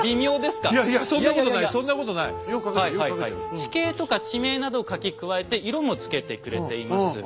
地形とか地名などを書き加えて色もつけてくれています。